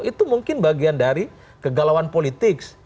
itu mungkin bagian dari kegalauan politik